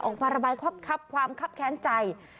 ออกภารณาใบความคับแข็งใจ